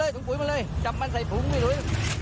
เออถุงปุ๊บมาเลยจำมันใส่ถุงวี่หนุ่ย